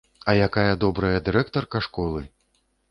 А якая добрая дырэктарка школы!